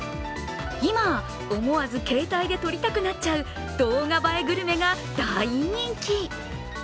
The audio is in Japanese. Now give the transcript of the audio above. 今、思わず携帯で撮りたくなっちゃう動画映えグルメが大人気。